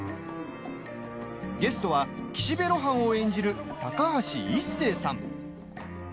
ゲストは岸辺露伴を演じる、高橋一生さん。